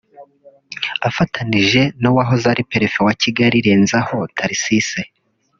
afatanije n’wahoze ari Perefe wa Kigali Renzaho Tharcisse